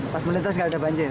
pas melintas nggak ada banjir